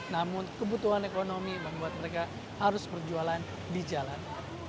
namun kebutuhan ekonomi membuat mereka harus berjualan di jalan